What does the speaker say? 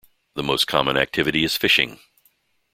The most common activity is fishing.